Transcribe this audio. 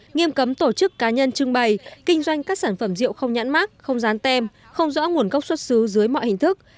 nghiêm cấm tổ chức cá nhân trưng bày kinh doanh các sản phẩm rượu không nhãn mát không rán tem không rõ nguồn gốc xuất xứ dưới mọi hình thức